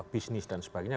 bisnis dan sebagainya